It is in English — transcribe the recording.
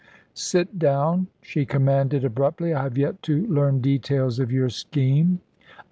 "Sit down," she commanded abruptly. "I have yet to learn details of your scheme."